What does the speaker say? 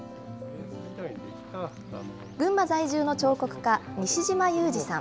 群馬在住の彫刻家、西島雄志さん。